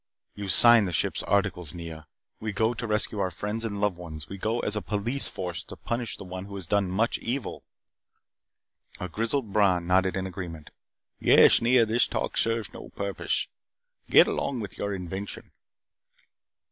"You signed the ship's articles, Nea. We go to rescue our friends and loved ones. We go as a police force to punish one who has done much evil " A grizzled Bron nodded in agreement. "Yes, Nea, this talk serves no purpose. Get along with your invention."